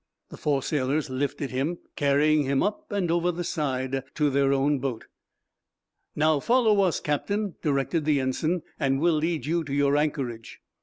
The four sailors lifted him, carrying him up and over the side to their own boat. "Now, follow us, captain," directed the ensign, "and we'll lead you to your anchorage."